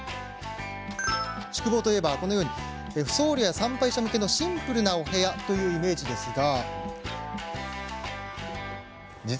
宿坊といえば僧侶や参拝者向けのシンプルなお部屋というイメージですが。